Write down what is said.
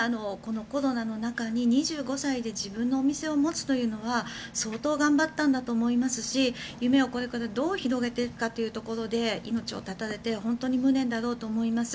コロナの中で２５歳で自分のお店を持つというのは相当頑張ったんだと思いますし夢をこれからどう広げていくかというところで命を絶たれて本当に無念だったと思います。